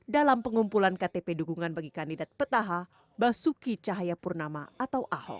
dalam pengumpulan ktp dukungan bagi kandidat petaha basuki cahayapurnama atau ahok